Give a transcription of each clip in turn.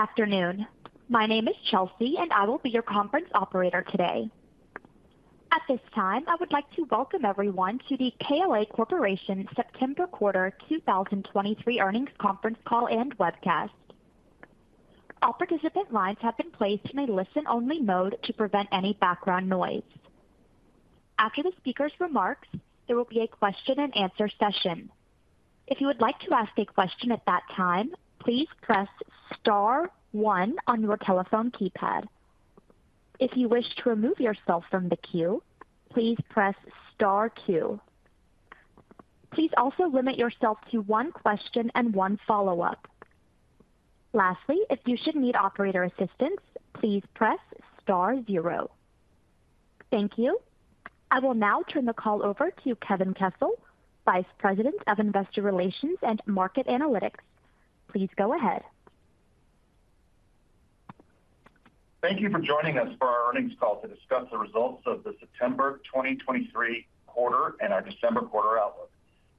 Good afternoon. My name is Chelsea, and I will be your conference operator today. At this time, I would like to welcome everyone to the KLA Corporation September Quarter 2023 Earnings Conference Call and Webcast. All participant lines have been placed in a listen-only mode to prevent any background noise. After the speaker's remarks, there will be a question and answer session. If you would like to ask a question at that time, please press star one on your telephone keypad. If you wish to remove yourself from the queue, please press star two. Please also limit yourself to one question and one follow-up. Lastly, if you should need operator assistance, please press star zero. Thank you. I will now turn the call over to Kevin Kessel, Vice President of Investor Relations and Market Analytics. Please go ahead. Thank you for joining us for our earnings call to discuss the results of the September 2023 quarter and our December quarter outlook.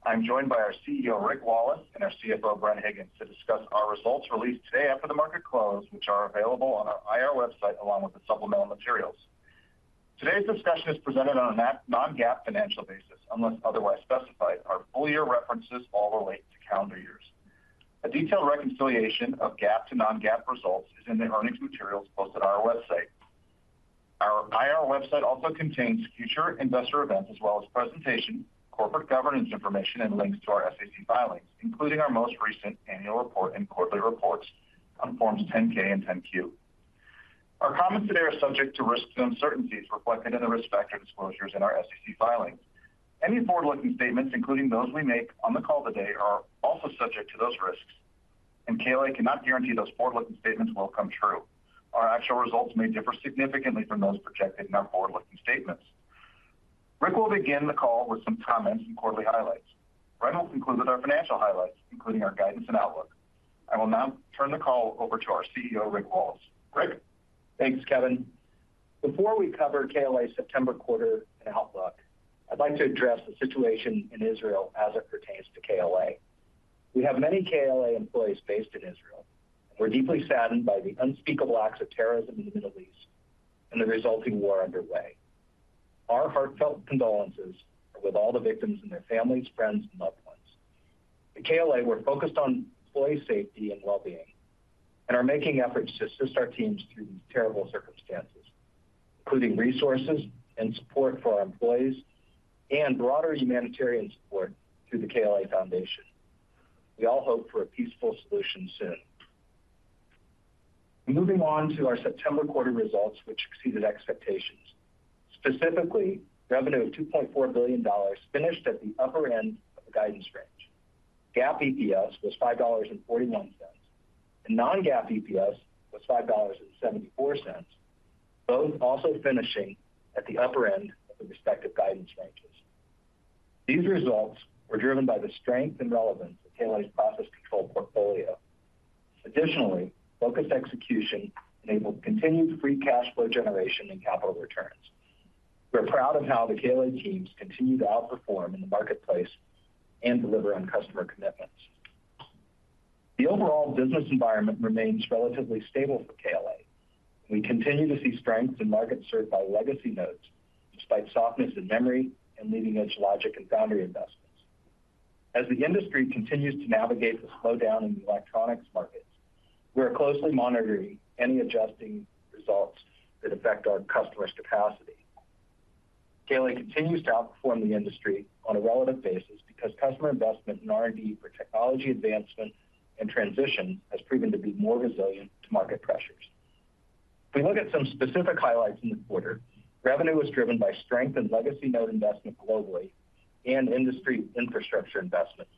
I'm joined by our CEO, Rick Wallace, and our CFO, Bren Higgins, to discuss our results released today after the market close, which are available on our IR website, along with the supplemental materials. Today's discussion is presented on a GAAP, non-GAAP financial basis, unless otherwise specified. Our full year references all relate to calendar years. A detailed reconciliation of GAAP to non-GAAP results is in the earnings materials posted on our website. Our IR website also contains future investor events as well as presentation, corporate governance information, and links to our SEC filings, including our most recent annual report and quarterly reports on Forms 10-K and 10-Q. Our comments today are subject to risks and uncertainties reflected in the respective disclosures in our SEC filings. Any forward-looking statements, including those we make on the call today, are also subject to those risks, and KLA cannot guarantee those forward-looking statements will come true. Our actual results may differ significantly from those projected in our forward-looking statements. Rick will begin the call with some comments and quarterly highlights. Bren will conclude with our financial highlights, including our guidance and outlook. I will now turn the call over to our CEO, Rick Wallace. Rick? Thanks, Kevin. Before we cover KLA's September quarter and outlook, I'd like to address the situation in Israel as it pertains to KLA. We have many KLA employees based in Israel. We're deeply saddened by the unspeakable acts of terrorism in the Middle East and the resulting war underway. Our heartfelt condolences are with all the victims and their families, friends, and loved ones. At KLA, we're focused on employee safety and well-being, and are making efforts to assist our teams through these terrible circumstances, including resources and support for our employees and broader humanitarian support through the KLA Foundation. We all hope for a peaceful solution soon. Moving on to our September quarter results, which exceeded expectations. Specifically, revenue of $2.4 billion finished at the upper end of the guidance range. GAAP EPS was $5.41, and non-GAAP EPS was $5.74. Both also finishing at the upper end of the respective guidance ranges. These results were driven by the strength and relevance of KLA's process control portfolio. Additionally, focused execution enabled continued free cash flow generation and capital returns. We're proud of how the KLA teams continue to outperform in the marketplace and deliver on customer commitments. The overall business environment remains relatively stable for KLA. We continue to see strength in markets served by legacy nodes, despite softness in memory and leading-edge logic and foundry investments. As the industry continues to navigate the slowdown in the electronics markets, we are closely monitoring any adjusting results that affect our customers' capacity. KLA continues to outperform the industry on a relative basis because customer investment in R&D for technology advancement and transition has proven to be more resilient to market pressures. If we look at some specific highlights in the quarter, revenue was driven by strength in legacy node investment globally and industry infrastructure investments.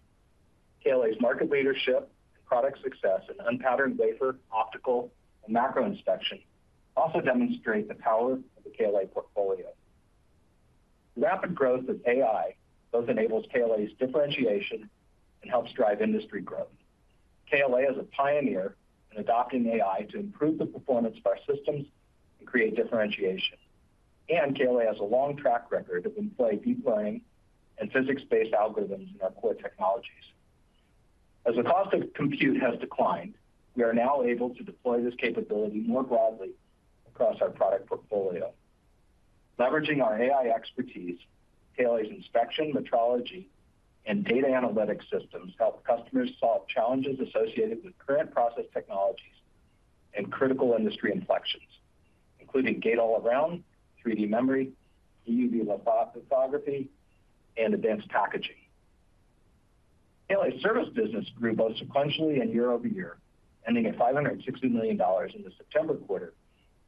KLA's market leadership and product success in unpatterned wafer, optical, and macro inspection also demonstrate the power of the KLA portfolio. The rapid growth of AI both enables KLA's differentiation and helps drive industry growth. KLA is a pioneer in adopting AI to improve the performance of our systems and create differentiation. And KLA has a long track record of employing deep learning and physics-based algorithms in our core technologies. As the cost of compute has declined, we are now able to deploy this capability more broadly across our product portfolio. Leveraging our AI expertise, KLA's inspection, metrology, and data analytics systems help customers solve challenges associated with current process technologies and critical industry inflections, including gate-all-around, 3D memory, EUV lithography, and advanced packaging. KLA's service business grew both sequentially and year-over-year, ending at $560 million in the September quarter,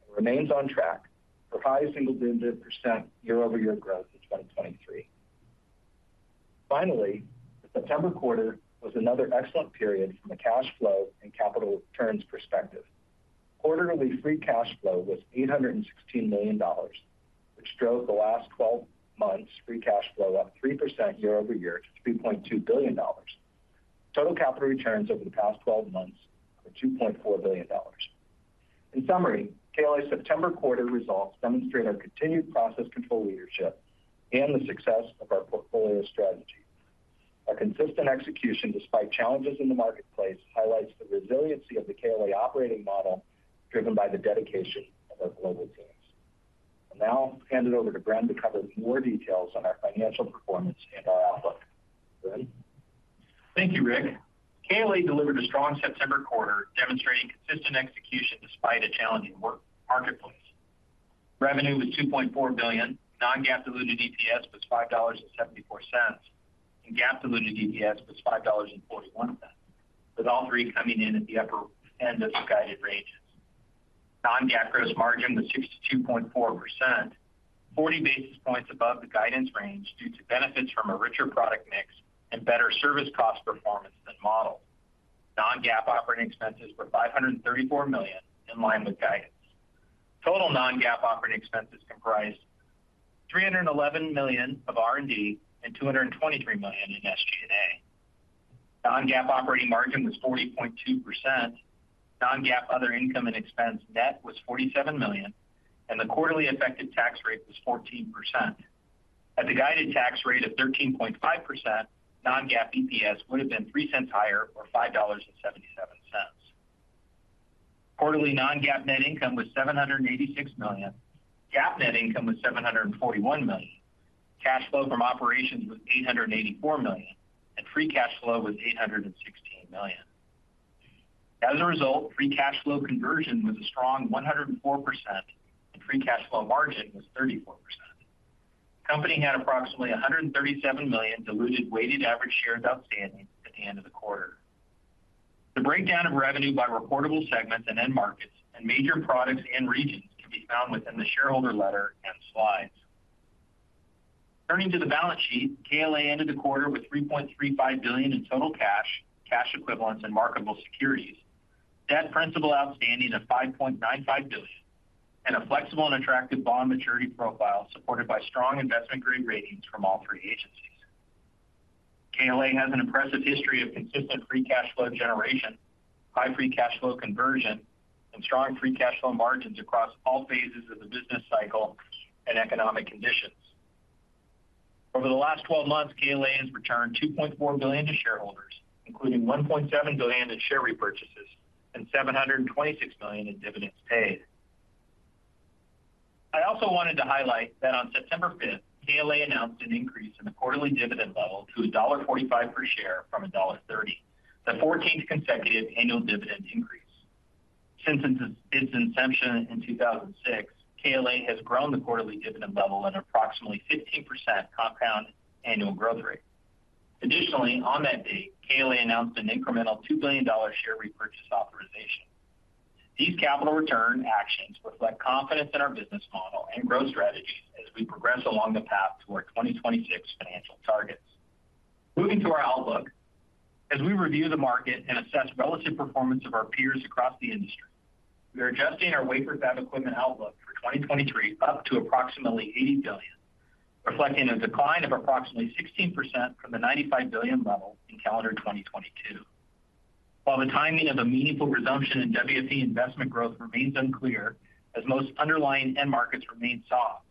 and remains on track for high single-digit % year-over-year growth in 2023. Finally, the September quarter was another excellent period from a cash flow and capital returns perspective. Quarterly free cash flow was $816 million, which drove the last 12 months free cash flow up 3% year-over-year to $3.2 billion. Total capital returns over the past 12 months are $2.4 billion. In summary, KLA's September quarter results demonstrate our continued process control leadership and the success of our portfolio strategy. Our consistent execution, despite challenges in the marketplace, highlights the resiliency of the KLA operating model, driven by the dedication of our global teams. I'll now hand it over to Bren to cover more details on our financial performance and our outlook. Bren? Thank you, Rick. KLA delivered a strong September quarter, demonstrating consistent execution despite a challenging work marketplace. Revenue was $2.4 billion, non-GAAP diluted EPS was $5.74, and GAAP diluted EPS was $5.41, with all three coming in at the upper end of the guided ranges. Non-GAAP gross margin was 62.4%, 40 basis points above the guidance range, due to benefits from a richer product mix and better service cost performance than modeled. Non-GAAP operating expenses were $534 million, in line with guidance. Total non-GAAP operating expenses comprised $311 million of R&D and $223 million in SG&A. Non-GAAP operating margin was 40.2%. Non-GAAP other income and expense net was $47 million, and the quarterly effective tax rate was 14%. At the guided tax rate of 13.5%, non-GAAP EPS would have been 3 cents higher, or $5.77. Quarterly non-GAAP net income was $786 million. GAAP net income was $741 million. Cash flow from operations was $884 million, and free cash flow was $816 million. As a result, free cash flow conversion was a strong 104%, and free cash flow margin was 34%. The company had approximately 137 million diluted weighted average shares outstanding at the end of the quarter. The breakdown of revenue by reportable segments and end markets and major products and regions can be found within the shareholder letter and slides. Turning to the balance sheet, KLA ended the quarter with $3.35 billion in total cash, cash equivalents, and marketable securities. Debt principal outstanding of $5.95 billion and a flexible and attractive bond maturity profile, supported by strong investment-grade ratings from all three agencies. KLA has an impressive history of consistent free cash flow generation, high free cash flow conversion, and strong free cash flow margins across all phases of the business cycle and economic conditions. Over the last 12 months, KLA has returned $2.4 billion to shareholders, including $1.7 billion in share repurchases and $726 million in dividends paid. I also wanted to highlight that on September 5th, KLA announced an increase in the quarterly dividend level to $1.45 per share from $1.30, the 14th consecutive annual dividend increase. Since its inception in 2006, KLA has grown the quarterly dividend level at approximately 15% compound annual growth rate. Additionally, on that date, KLA announced an incremental $2 billion share repurchase authorization. These capital return actions reflect confidence in our business model and growth strategy as we progress along the path to our 2026 financial targets. Moving to our outlook. As we review the market and assess relative performance of our peers across the industry, we are adjusting our wafer fab equipment outlook for 2023 up to approximately $80 billion, reflecting a decline of approximately 16% from the $95 billion level in calendar 2022. While the timing of a meaningful resumption in WFE investment growth remains unclear, as most underlying end markets remain soft,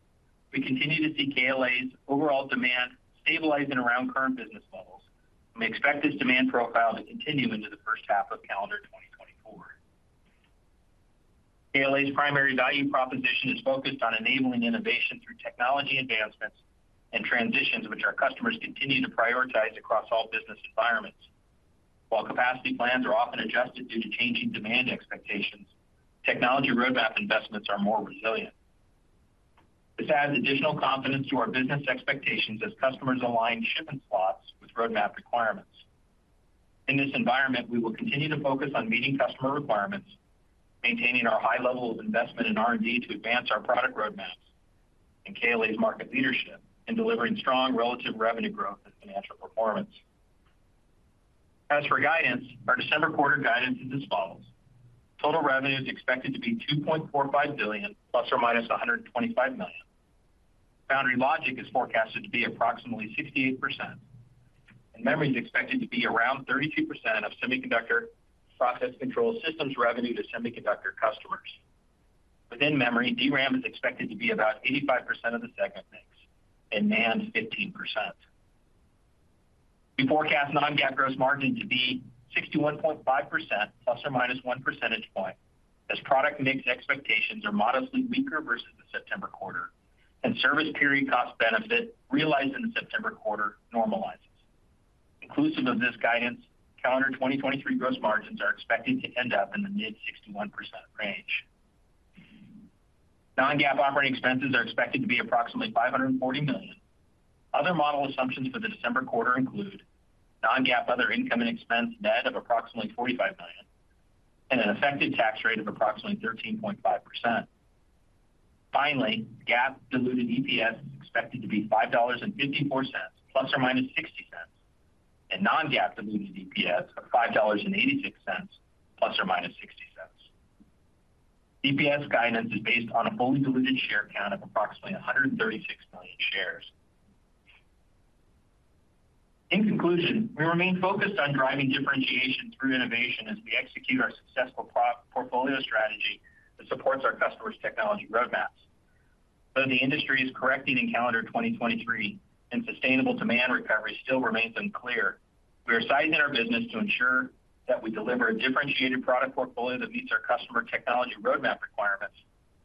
we continue to see KLA's overall demand stabilizing around current business levels. We expect this demand profile to continue into the first half of calendar 2024. KLA's primary value proposition is focused on enabling innovation through technology advancements and transitions, which our customers continue to prioritize across all business environments. While capacity plans are often adjusted due to changing demand expectations, technology roadmap investments are more resilient. This adds additional confidence to our business expectations as customers align shipping slots with roadmap requirements. In this environment, we will continue to focus on meeting customer requirements, maintaining our high level of investment in R&D to advance our product roadmaps, and KLA's market leadership in delivering strong relative revenue growth and financial performance. As for guidance, our December quarter guidance is as follows: total revenue is expected to be $2.45 billion ± $125 million. Foundry logic is forecasted to be approximately 68%, and memory is expected to be around 32% of semiconductor process control systems revenue to semiconductor customers. Within memory, DRAM is expected to be about 85% of the segment mix and NAND, 15%. We forecast non-GAAP gross margin to be 61.5%, ±1 percentage point, as product mix expectations are modestly weaker versus the September quarter, and service period cost benefit realized in the September quarter normalizes. Inclusive of this guidance, calendar 2023 gross margins are expected to end up in the mid-61% range. Non-GAAP operating expenses are expected to be approximately $540 million. Other model assumptions for the December quarter include non-GAAP other income and expense net of approximately $45 million, and an effective tax rate of approximately 13.5%. Finally, GAAP diluted EPS is expected to be $5.54 ±$0.60, and non-GAAP diluted EPS of $5.86 ±$0.60. EPS guidance is based on a fully diluted share count of approximately 136 million shares. In conclusion, we remain focused on driving differentiation through innovation as we execute our successful portfolio strategy that supports our customers' technology roadmaps. Though the industry is correcting in calendar 2023 and sustainable demand recovery still remains unclear, we are sizing our business to ensure that we deliver a differentiated product portfolio that meets our customer technology roadmap requirements,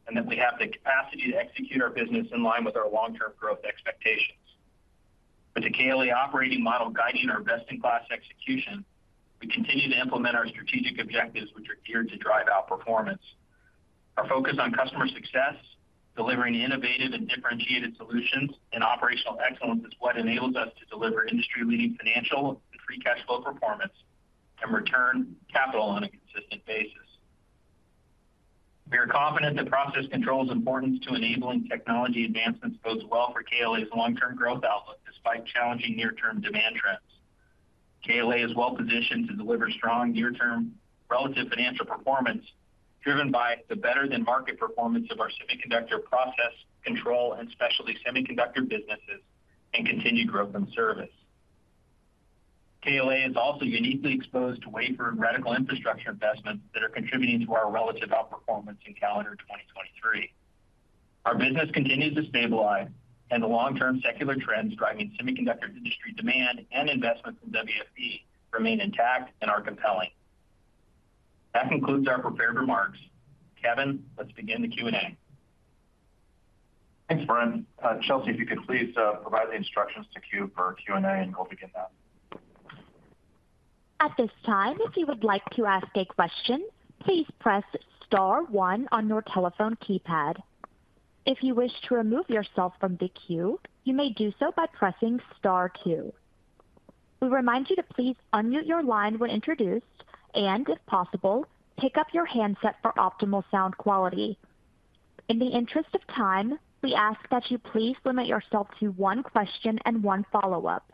and that we have the capacity to execute our business in line with our long-term growth expectations. With the KLA operating model guiding our best-in-class execution, we continue to implement our strategic objectives, which are geared to drive outperformance. Our focus on customer success, delivering innovative and differentiated solutions, and operational excellence is what enables us to deliver industry-leading financial and free cash flow performance, and return capital on a consistent basis. We are confident that process control's importance to enabling technology advancements bodes well for KLA's long-term growth outlook, despite challenging near-term demand trends. KLA is well positioned to deliver strong near-term relative financial performance, driven by the better-than-market performance of our semiconductor process, control, and specialty semiconductor businesses, and continued growth in service. KLA is also uniquely exposed to wafer and reticle infrastructure investments that are contributing to our relative outperformance in calendar 2023. Our business continues to stabilize, and the long-term secular trends driving semiconductor industry demand and investments in WFE remain intact and are compelling. That concludes our prepared remarks. Kevin, let's begin the Q&A. Thanks, Bren. Chelsea, if you could please provide the instructions to queue for Q&A, and we'll begin that. At this time, if you would like to ask a question, please press star one on your telephone keypad. If you wish to remove yourself from the queue, you may do so by pressing star two. We remind you to please unmute your line when introduced, and if possible, pick up your handset for optimal sound quality. In the interest of time, we ask that you please limit yourself to one question and one follow-up.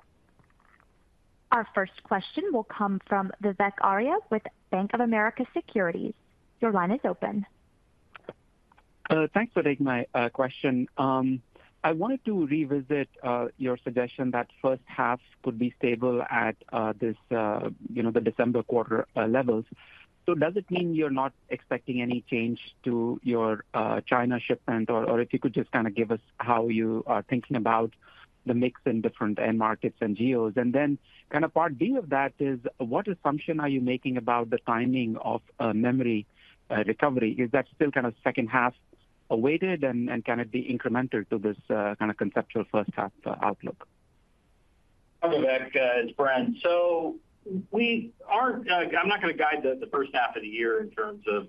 Our first question will come from Vivek Arya with Bank of America Securities. Your line is open. Thanks for taking my question. I wanted to revisit your suggestion that first half could be stable at this, you know, the December quarter levels. So does it mean you're not expecting any change to your China shipment? Or if you could just kind of give us how you are thinking about the mix in different end markets and geos. And then kind of part B of that is, what assumption are you making about the timing of memory recovery? Is that still kind of second half awaited, and can it be incremental to this kind of conceptual first half outlook? Hi, Vivek, it's Bren. So we aren't. I'm not going to guide the first half of the year in terms of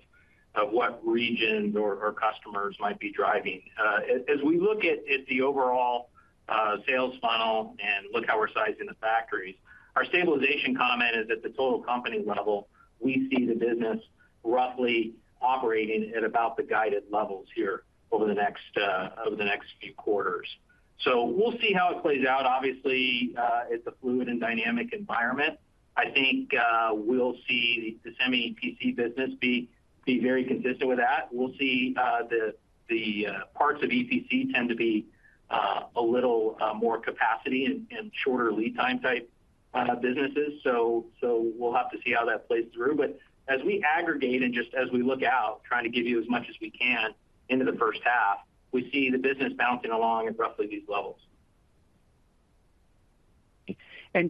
what regions or customers might be driving. As we look at the overall sales funnel and look how we're sizing the factories, our stabilization comment is at the total company level, we see the business roughly operating at about the guided levels here over the next few quarters. So we'll see how it plays out. Obviously, it's a fluid and dynamic environment. I think we'll see the semi SPC business be very consistent with that. We'll see the parts of SPC tend to be a little more capacity and shorter lead time type businesses. So we'll have to see how that plays through. But as we aggregate and just as we look out, trying to give you as much as we can into the first half, we see the business bouncing along at roughly these levels.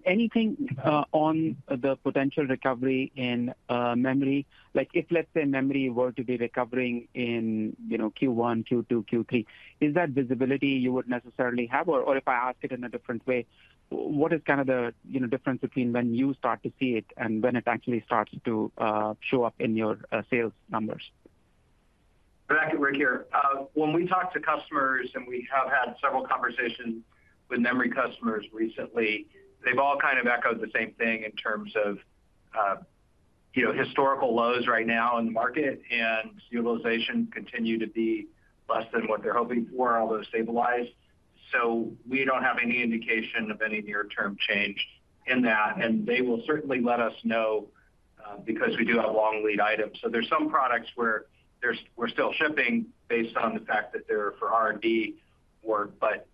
Anything on the potential recovery in memory? Like, if, let's say, memory were to be recovering in, you know, Q1, Q2, Q3, is that visibility you would necessarily have? Or, if I ask it in a different way, what is kind of the, you know, difference between when you start to see it and when it actually starts to show up in your sales numbers? Vivek, Rick here. When we talk to customers, and we have had several conversations with memory customers recently, they've all kind of echoed the same thing in terms of, you know, historical lows right now in the market, and utilization continue to be less than what they're hoping for, although stabilized. So we don't have any indication of any near-term change in that, and they will certainly let us know, because we do have long lead items. So there's some products where there's, we're still shipping based on the fact that they're for R&D work. But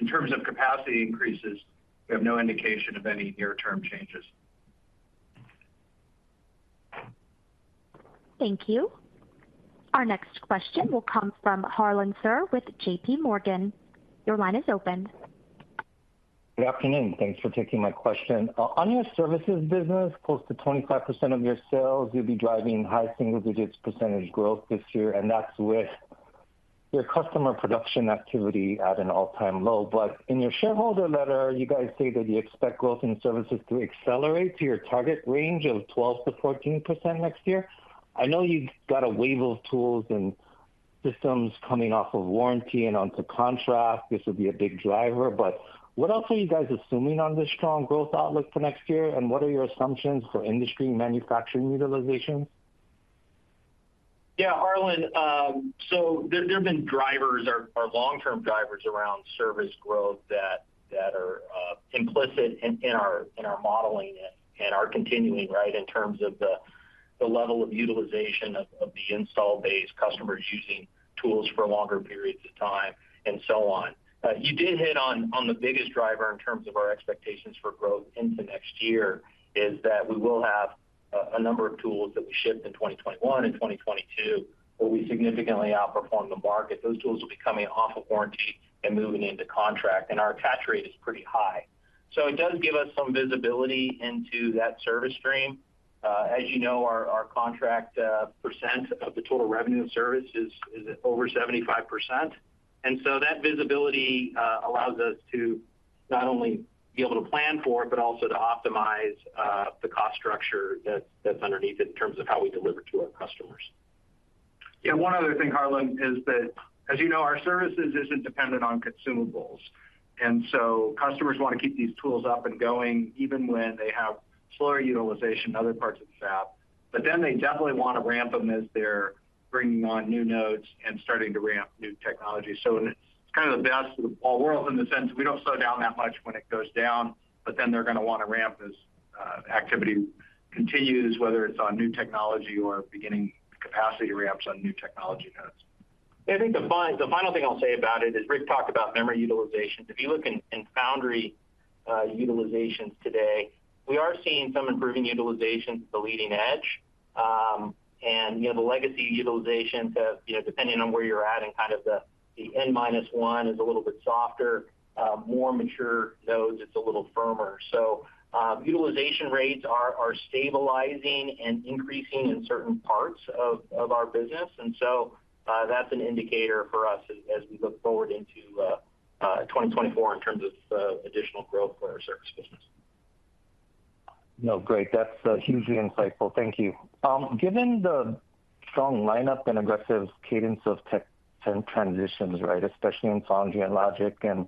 in terms of capacity increases, we have no indication of any near-term changes. Thank you. Our next question will come from Harlan Sur with JP Morgan. Your line is open. Good afternoon. Thanks for taking my question. On your services business, close to 25% of your sales, you'll be driving high single digits% growth this year, and that's with your customer production activity at an all-time low. But in your shareholder letter, you guys say that you expect growth in services to accelerate to your target range of 12%-14% next year. I know you've got a wave of tools and systems coming off of warranty and onto contract. This will be a big driver, but what else are you guys assuming on this strong growth outlook for next year, and what are your assumptions for industry and manufacturing utilization? Yeah, Harlan, so there have been drivers, or long-term drivers around service growth that are implicit in our modeling and are continuing, right, in terms of the level of utilization of the install base, customers using tools for longer periods of time, and so on. You did hit on the biggest driver in terms of our expectations for growth into next year, is that we will have a number of tools that we shipped in 2021 and 2022, where we significantly outperformed the market. Those tools will be coming off of warranty and moving into contract, and our attach rate is pretty high. So it does give us some visibility into that service stream. As you know, our contract percent of the total revenue of service is over 75%. And so that visibility allows us to not only be able to plan for it, but also to optimize the cost structure that's, that's underneath it, in terms of how we deliver to our customers. Yeah, one other thing, Harlan, is that, as you know, our services isn't dependent on consumables, and so customers want to keep these tools up and going, even when they have slower utilization in other parts of the fab. But then they definitely want to ramp them as they're bringing on new nodes and starting to ramp new technology. So it's kind of the best of all worlds in the sense we don't slow down that much when it goes down, but then they're going to want to ramp as activity continues, whether it's on new technology or beginning the capacity ramps on new technology nodes. I think the final thing I'll say about it is, Rick talked about memory utilization. If you look in foundry utilizations today, we are seeing some improving utilization at the leading edge. And, you know, the legacy utilization, you know, depending on where you're at in kind of the N minus one is a little bit softer, more mature nodes, it's a little firmer. So, utilization rates are stabilizing and increasing in certain parts of our business, and so, that's an indicator for us as we look forward into 2024 in terms of additional growth for our service business. No, great. That's hugely insightful. Thank you. Given the strong lineup and aggressive cadence of tech transitions, right, especially in foundry and logic, and,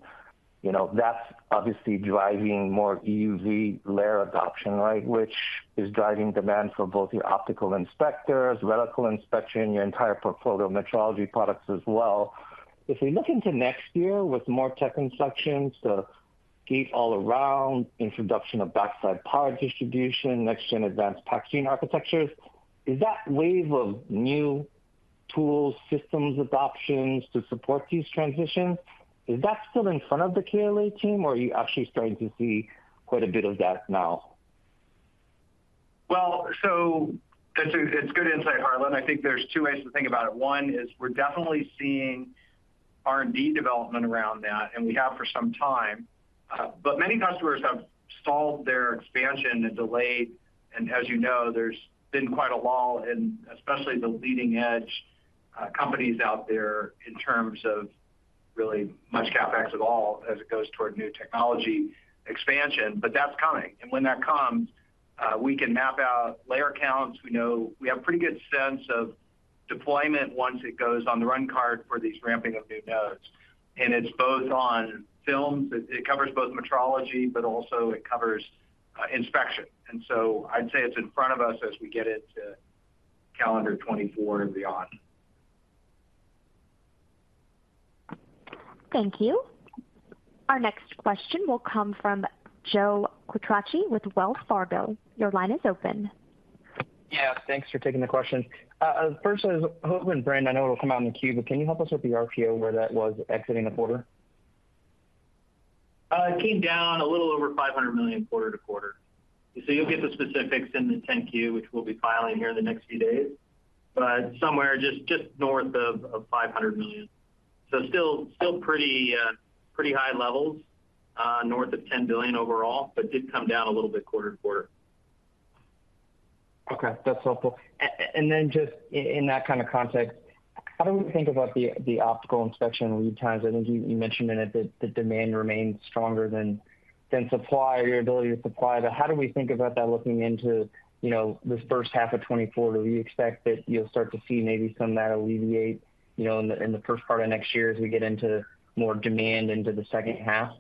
you know, that's obviously driving more EUV layer adoption, right? Which is driving demand for both your optical inspectors, reticle inspection, your entire portfolio of metrology products as well. If we look into next year with more tech transitions to Gate-All-Around, introduction of backside power distribution, next-gen advanced packaging architectures, is that wave of new tools, systems, adoptions to support these transitions, is that still in front of the KLA team, or are you actually starting to see quite a bit of that now? Well, so it's good insight, Harlan. I think there's two ways to think about it. One is we're definitely seeing R&D development around that, and we have for some time, but many customers have stalled their expansion and delayed. And as you know, there's been quite a lull in especially the leading-edge companies out there in terms of really much CapEx at all as it goes toward new technology expansion. But that's coming, and when that comes, we can map out layer counts. We know we have a pretty good sense of deployment once it goes on the run card for these ramping of new nodes. And it's both on films, it covers both metrology, but also it covers inspection. And so I'd say it's in front of us as we get into calendar 2024 and beyond. Thank you. Our next question will come from Joe Quatrochi with Wells Fargo. Your line is open. Yeah, thanks for taking the questions. First is, Hi, Bren and, I know it'll come out in the queue, but can you help us with the RPO, where that was exiting the quarter? It came down a little over $500 million quarter-to-quarter. So you'll get the specifics in the 10-Q, which we'll be filing here in the next few days, but somewhere just north of $500 million. So still pretty high levels, north of $10 billion overall, but did come down a little bit quarter-to-quarter. Okay, that's helpful. And then just in that kind of context, how do we think about the, the optical inspection lead times? I think you mentioned a minute that the demand remains stronger than supply or your ability to supply, but how do we think about that looking into, you know, this first half of 2024? Do we expect that you'll start to see maybe some of that alleviate, you know, in the first part of next year as we get into more demand into the second half?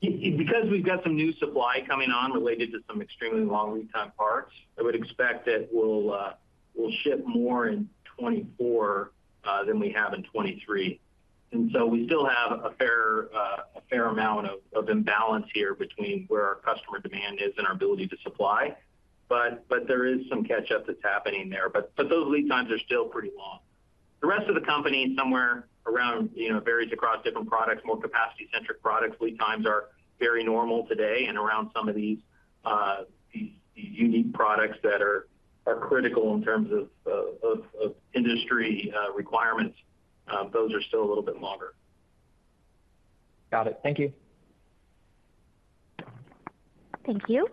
Because we've got some new supply coming on related to some extremely long lead time parts, I would expect that we'll ship more in 2024 than we have in 2023. And so we still have a fair amount of imbalance here between where our customer demand is and our ability to supply, but there is some catch-up that's happening there. But those lead times are still pretty long. The rest of the company, somewhere around, you know, varies across different products. More capacity-centric products, lead times are very normal today, and around some of these unique products that are critical in terms of industry requirements, those are still a little bit longer. Got it. Thank you. Thank you.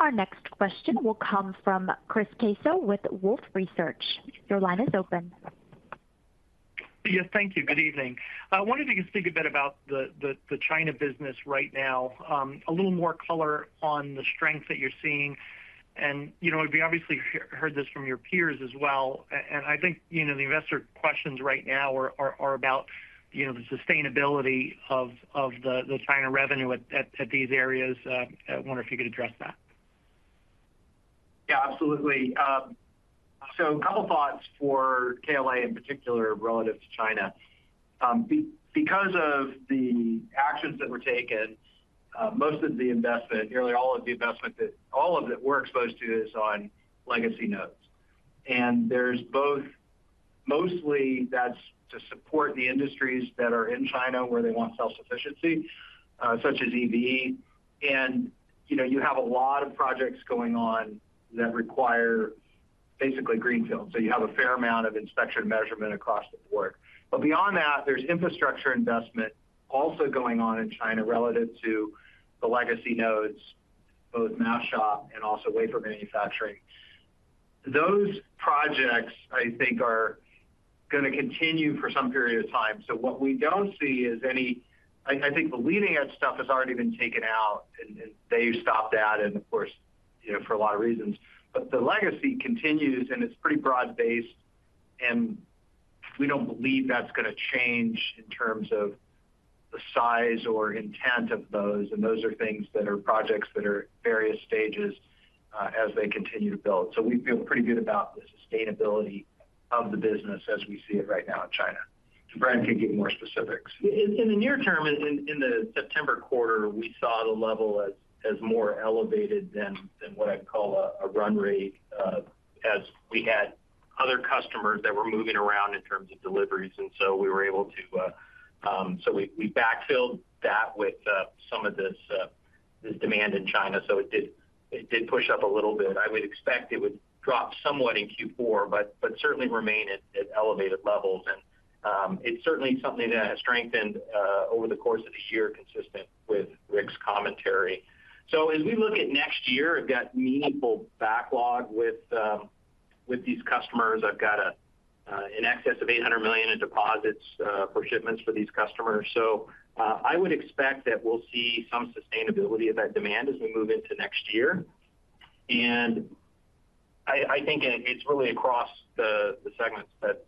Our next question will come from Chris Caso with Wolfe Research. Your line is open. Yes, thank you. Good evening. I wondered if you could speak a bit about the China business right now. A little more color on the strength that you're seeing. And, you know, we obviously heard this from your peers as well, and I think, you know, the investor questions right now are about, you know, the sustainability of the China revenue at these areas. I wonder if you could address that. Yeah, absolutely. So a couple thoughts for KLA, in particular, relative to China. Because of the actions that were taken, most of the investment, nearly all of the investment that all of it we're exposed to, is on legacy nodes. And mostly that's to support the industries that are in China, where they want self-sufficiency, such as EV. And, you know, you have a lot of projects going on that require basically greenfield. So you have a fair amount of inspection measurement across the board. But beyond that, there's infrastructure investment also going on in China relative to the legacy nodes, both mask shop and also wafer manufacturing. Those projects, I think, are gonna continue for some period of time. So what we don't see is any. I think the leading-edge stuff has already been taken out, and they've stopped that, and of course, you know, for a lot of reasons. But the legacy continues, and it's pretty broad-based, and we don't believe that's gonna change in terms of the size or intent of those, and those are things that are projects that are at various stages, as they continue to build. So we feel pretty good about the sustainability of the business as we see it right now in China. So Brian can give you more specifics. In the near term, in the September quarter, we saw the level as more elevated than what I'd call a run rate, as we had other customers that were moving around in terms of deliveries, and so we were able to, so we backfilled that with some of this this demand in China, so it did push up a little bit. I would expect it would drop somewhat in Q4, but certainly remain at elevated levels. And, it's certainly something that has strengthened over the course of the year, consistent with Rick's commentary. So as we look at next year, I've got meaningful backlog with these customers. I've got in excess of $800 million in deposits for shipments for these customers. So, I would expect that we'll see some sustainability of that demand as we move into next year. And I think it's really across the segments that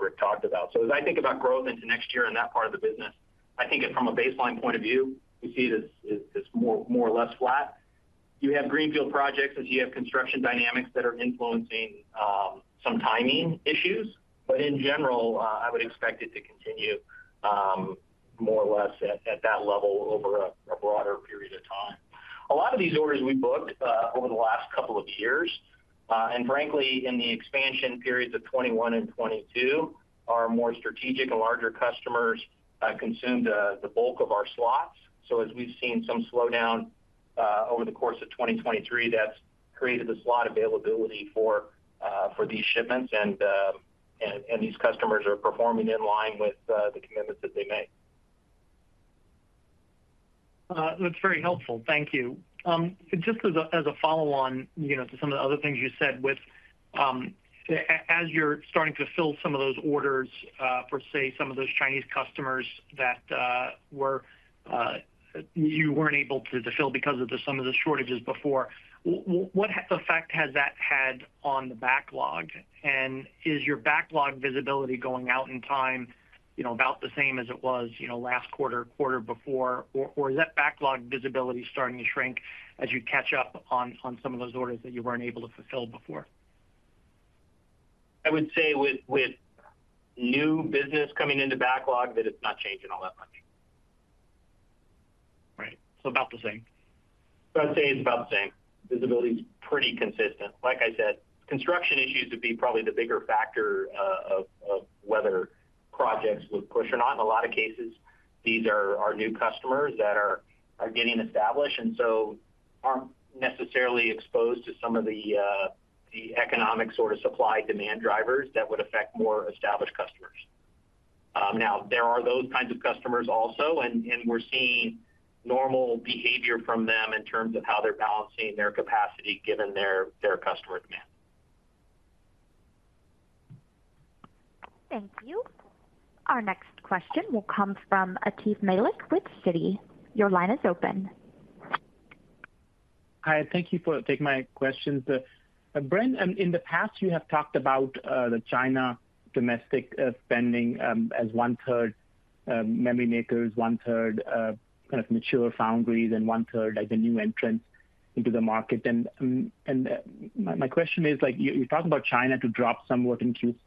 Rick talked about. So as I think about growth into next year in that part of the business, I think from a baseline point of view, we see it as more or less flat. You have greenfield projects, as you have construction dynamics that are influencing some timing issues. But in general, I would expect it to continue more or less at that level over a broader period of time. A lot of these orders we booked over the last couple of years, and frankly, in the expansion periods of 2021 and 2022, our more strategic and larger customers consumed the bulk of our slots. So as we've seen some slowdown over the course of 2023, that's created the slot availability for these shipments, and these customers are performing in line with the commitments that they made. That's very helpful. Thank you. Just as a follow-on, you know, to some of the other things you said with, as you're starting to fill some of those orders for, say, some of those Chinese customers that were, you weren't able to fulfill because of some of the shortages before. What effect has that had on the backlog? And is your backlog visibility going out in time, you know, about the same as it was, you know, last quarter, quarter before? Or is that backlog visibility starting to shrink as you catch up on some of those orders that you weren't able to fulfill before? I would say with new business coming into backlog, that it's not changing all that much. Right. So about the same. So I'd say it's about the same. Visibility is pretty consistent. Like I said, construction issues would be probably the bigger factor of whether projects would push or not. In a lot of cases, these are our new customers that are getting established, and so aren't necessarily exposed to some of the, the economic sort of supply-demand drivers that would affect more established customers. Now, there are those kinds of customers also, and we're seeing normal behavior from them in terms of how they're balancing their capacity given their customer demand. Thank you. Our next question will come from Atif Malik with Citi. Your line is open. Hi, thank you for taking my questions. Brian, in the past, you have talked about the China domestic spending as one-third memory makers, one-third kind of mature foundries, and one-third, like, the new entrants into the market. My question is, like, you talked about China to drop somewhat in Q4.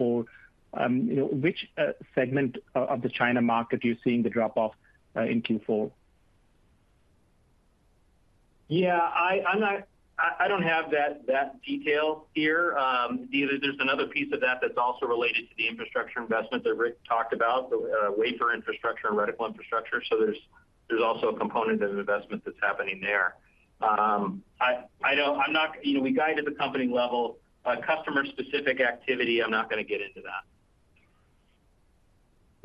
You know, which segment of the China market are you seeing the drop-off in Q4? Yeah, I'm not. I don't have that detail here. Either there's another piece of that that's also related to the infrastructure investment that Rick talked about, the wafer infrastructure and reticle infrastructure, so there's also a component of investment that's happening there. I don't. I'm not. You know, we guide at the company level. Customer-specific activity, I'm not gonna get into that.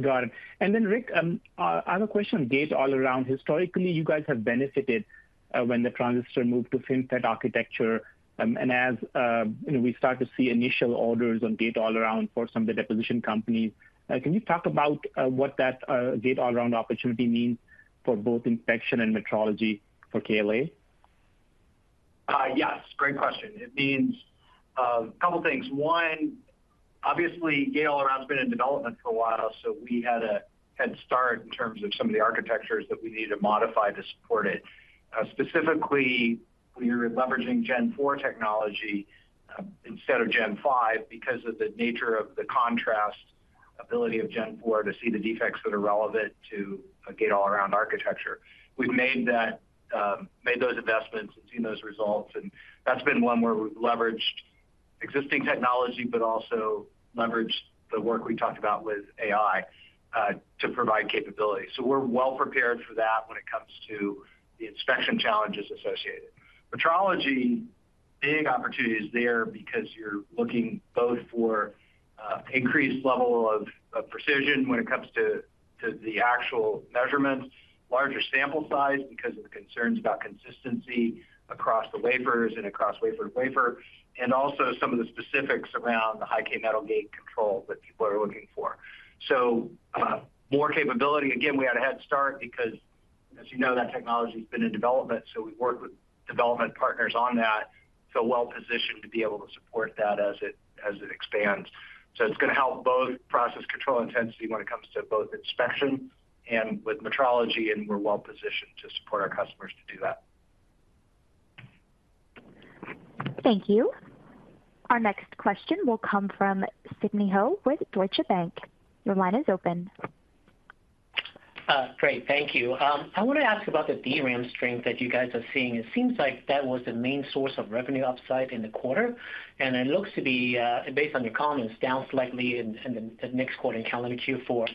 Got it. And then, Rick, I have a question on Gate-All-Around. Historically, you guys have benefited, when the transistor moved to FinFET architecture. And as, you know, we start to see initial orders on for some of the deposition companies, can you talk about, what that, Gate-All-Around opportunity means for both inspection and metrology for KLA? Yes, great question. It means a couple of things. Obviously, Gate-All-Around has been in development for a while, so we had a head start in terms of some of the architectures that we need to modify to support it. Specifically, we are leveraging Gen 4 technology instead of Gen 5, because of the nature of the contrast ability of Gen 4 to see the defects that are relevant to a Gate-All-Around architecture. We've made those investments and seen those results, and that's been one where we've leveraged existing technology, but also leveraged the work we talked about with AI to provide capability. So we're well prepared for that when it comes to the inspection challenges associated. Metrology, big opportunity is there because you're looking both for increased level of precision when it comes to the actual measurements, larger sample size, because of the concerns about consistency across the wafers and across wafer to wafer, and also some of the specifics around the High-K Metal Gate control that people are looking for. So, more capability. Again, we had a head start because as you know, that technology has been in development, so we've worked with development partners on that, so well positioned to be able to support that as it expands. So it's going to help both Process Control intensity when it comes to both inspection and with metrology, and we're well positioned to support our customers to do that. Thank you. Our next question will come from Sidney Ho with Deutsche Bank. Your line is open. Great, thank you. I want to ask about the DRAM strength that you guys are seeing. It seems like that was the main source of revenue upside in the quarter, and it looks to be, based on your comments, down slightly in the next quarter, in calendar Q4.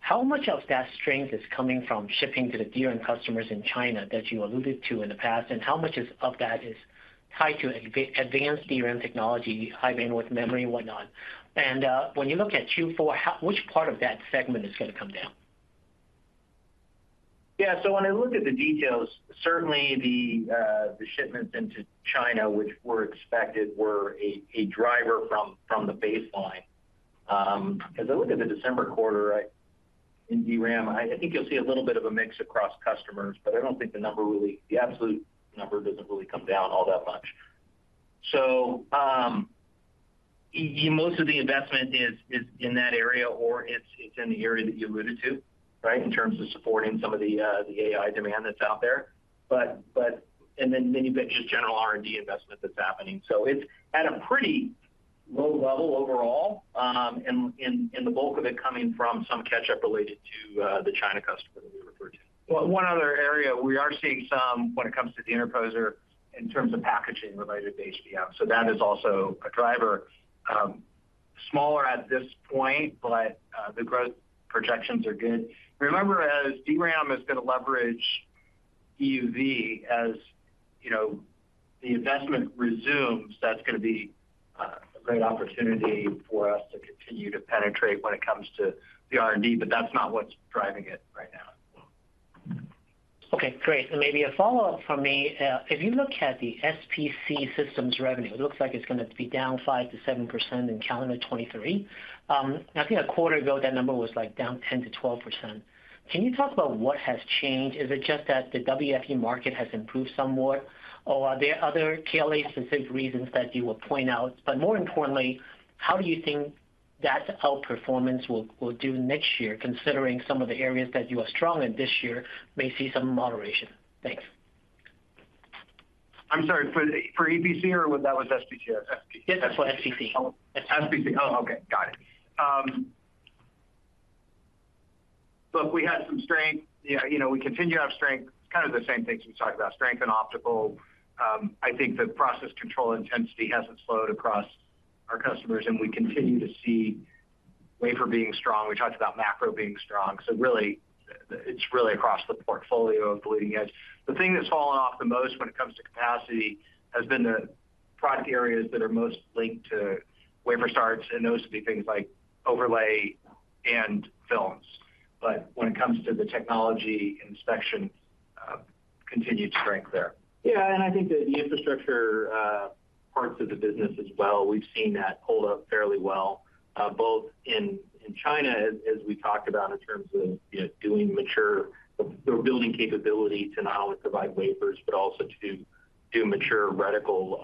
How much of that strength is coming from shipping to the DRAM customers in China that you alluded to in the past, and how much of that is tied to advanced DRAM technology, High Bandwidth Memory and whatnot? And, when you look at Q4, which part of that segment is going to come down? Yeah, so when I look at the details, certainly the shipments into China, which were expected, were a driver from the baseline. As I look at the December quarter, in DRAM, I think you'll see a little bit of a mix across customers, but I don't think the absolute number doesn't really come down all that much. So, most of the investment is in that area, or it's in the area that you alluded to, right? In terms of supporting some of the AI demand that's out there. But, and then many bits, just general R&D investment that's happening. So it's at a pretty low level overall, and the bulk of it coming from some catch-up related to the China customer that we referred to. Well, one other area we are seeing some when it comes to the interposer in terms of packaging related to HBM, so that is also a driver. Smaller at this point, but, the growth projections are good. Remember, as DRAM is going to leverage EUV, as you know, the investment resumes, that's going to be, a great opportunity for us to continue to penetrate when it comes to the R&D, but that's not what's driving it right now. Okay, great. And maybe a follow-up from me. If you look at the SPC systems revenue, it looks like it's going to be down 5%-7% in calendar 2023. I think a quarter ago, that number was, like, down 10%-12%. Can you talk about what has changed? Is it just that the WFE market has improved somewhat, or are there other KLA-specific reasons that you would point out? But more importantly, how do you think that outperformance will do next year, considering some of the areas that you are strong in this year may see some moderation? Thanks. I'm sorry, for SPC or that was SPC? SPC. Yes, for SPC. SPC. Oh, okay. Got it. Look, we had some strength. Yeah, you know, we continue to have strength. It's kind of the same things we talked about, strength in optical. I think the process control intensity hasn't slowed across our customers, and we continue to see wafer being strong. We talked about macro being strong, so really, it's really across the portfolio of leading edge. The thing that's fallen off the most when it comes to capacity has been the product areas that are most linked to wafer starts, and those would be things like overlay and films. But when it comes to the technology inspection, continued strength there. Yeah, and I think that the infrastructure, parts of the business as well, we've seen that hold up fairly well, both in, in China, as, as we talked about in terms of, you know, doing mature so building capability to not only provide wafers, but also to do mature reticle,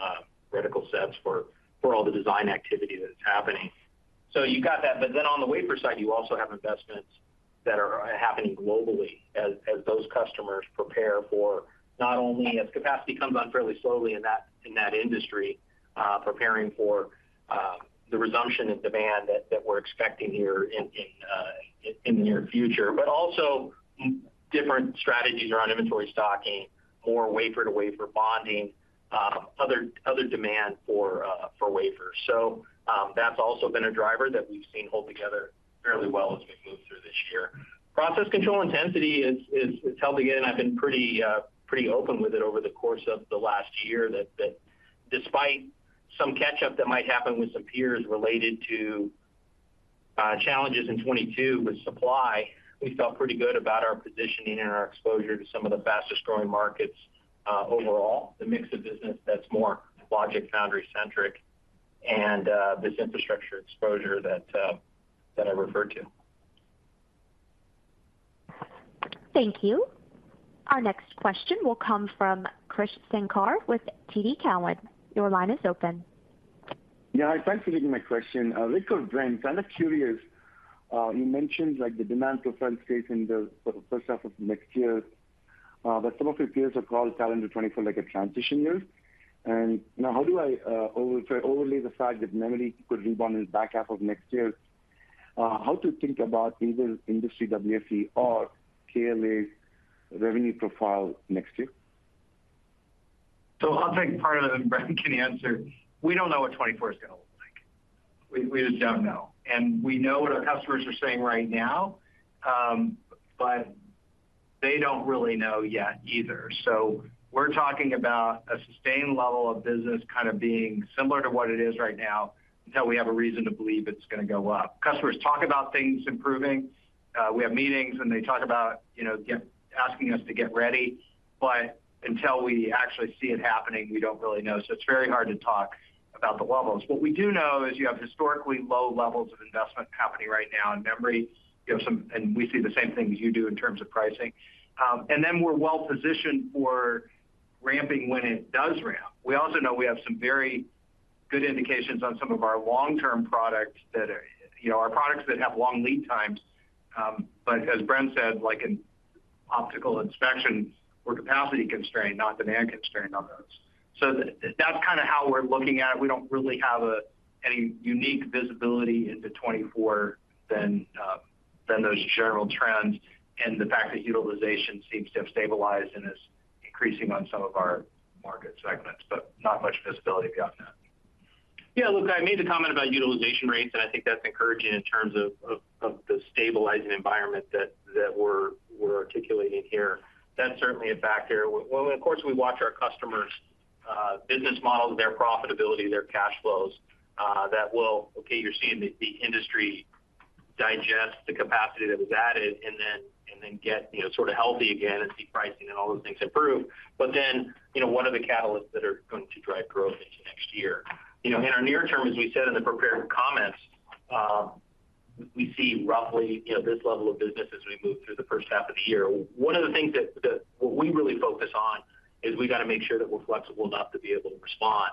reticle sets for, for all the design activity that is happening. So you got that, but then on the wafer side, you also have investments that are happening globally as, as those customers prepare for not only as capacity comes on fairly slowly in that, in that industry, preparing for, the resumption in demand that, that we're expecting here in, in, in the near future. But also different strategies around inventory stocking, more wafer-to-wafer bonding, other, other demand for, for wafers. So, that's also been a driver that we've seen hold together fairly well as we move through this year. Process Control intensity is, is, has held again, I've been pretty, pretty open with it over the course of the last year, that, that despite some catch-up that might happen with some peers related to, challenges in 2022 with supply, we felt pretty good about our positioning and our exposure to some of the fastest growing markets, overall. The mix of business that's more logic foundry-centric and, this infrastructure exposure that, that I referred to.... Thank you. Our next question will come from Krish Sankar with TD Cowen. Your line is open. Yeah, thanks for taking my question. Rick or Bren, kind of curious, you mentioned like the demand profile facing the first half of next year, but some of your peers have called calendar 2024 like a transition year. And now, how do I overlay the fact that memory could rebound in the back half of next year? How to think about either industry WFE or KLA's revenue profile next year? So I'll take part of it, and Bren can answer. We don't know what 2024 is going to look like. We, we just don't know. And we know what our customers are saying right now, but they don't really know yet either. So we're talking about a sustained level of business kind of being similar to what it is right now, until we have a reason to believe it's going to go up. Customers talk about things improving. We have meetings, and they talk about, you know, asking us to get ready, but until we actually see it happening, we don't really know. So it's very hard to talk about the levels. What we do know is you have historically low levels of investment happening right now in memory. And we see the same thing as you do in terms of pricing. Then we're well positioned for ramping when it does ramp. We also know we have some very good indications on some of our long-term products that are, you know, are products that have long lead times. But as Brent said, like in optical inspection, we're capacity constrained, not demand constrained on those. So that's kind of how we're looking at it. We don't really have any unique visibility into 2024 than those general trends, and the fact that utilization seems to have stabilized and is increasing on some of our market segments, but not much visibility beyond that. Yeah, look, I made the comment about utilization rates, and I think that's encouraging in terms of the stabilizing environment that we're articulating here. That's certainly a factor. Well, of course, we watch our customers' business models, their profitability, their cash flows. Okay, you're seeing the industry digest the capacity that was added, and then get, you know, sort of healthy again and see pricing and all those things improve. But then, you know, what are the catalysts that are going to drive growth into next year? You know, in our near term, as we said in the prepared comments, we see roughly, you know, this level of business as we move through the first half of the year. One of the things that we really focus on is we got to make sure that we're flexible enough to be able to respond.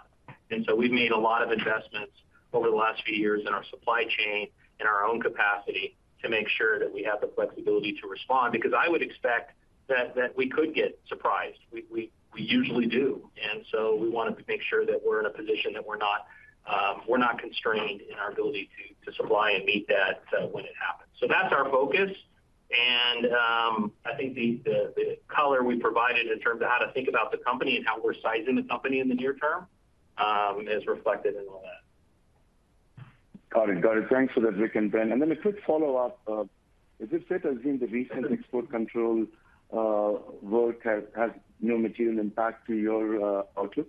And so we've made a lot of investments over the last few years in our supply chain and our own capacity, to make sure that we have the flexibility to respond, because I would expect that we could get surprised. We usually do, and so we wanted to make sure that we're in a position that we're not constrained in our ability to supply and meet that when it happens. So that's our focus, and I think the color we provided in terms of how to think about the company and how we're sizing the company in the near term is reflected in all that. Got it. Got it. Thanks for that, Rick and Brent. And then a quick follow-up. Is it fair to assume the recent export control work has no material impact to your outlook?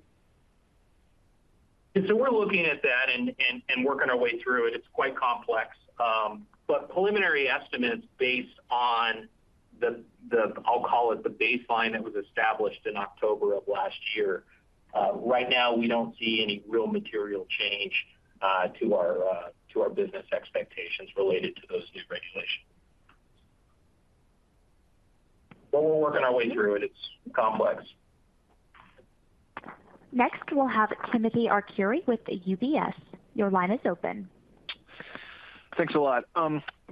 We're looking at that and working our way through it. It's quite complex, but preliminary estimates based on the baseline that was established in October of last year, right now we don't see any real material change to our business expectations related to those new regulations. But we're working our way through it. It's complex. Next, we'll have Timothy Arcuri with UBS. Your line is open. Thanks a lot.